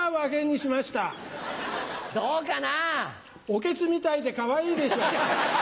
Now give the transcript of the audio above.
オケツみたいでかわいいでしょ？